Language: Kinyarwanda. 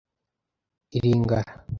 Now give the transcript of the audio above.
ilingara…”